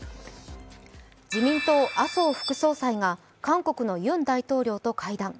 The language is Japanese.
自民党・麻生副総裁が韓国のユン大統領と会談。